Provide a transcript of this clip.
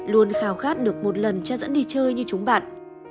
luôn khào khát được một lần cha dẫn đi chơi như chúng bạn